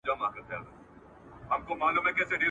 ستا تر پښو دي صدقه سر د هامان وي ,